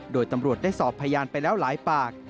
โดยตำรวจได้สอบพยานไปแล้วหลายปาก